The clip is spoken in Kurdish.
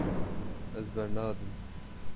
Ez bernadim.